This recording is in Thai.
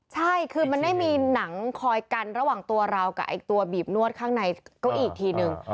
ใช่คือมันไม่มีหนังคอยกันระหว่างตัวเรากับตัวบีบนวดข้างในเก้าอี้อีกทีนึง